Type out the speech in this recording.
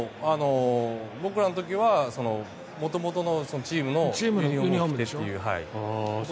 僕らの時は元々のチームのユニホームを着てという。